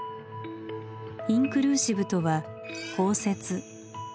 インクルーシブとは「包摂」。